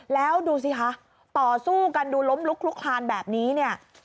แล้วดูสิคะต่อสู้กันดูล้มลุกลุกคลานแบบนี้เนี่ย